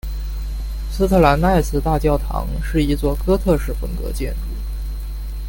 斯特兰奈斯大教堂是一座哥特式风格建筑。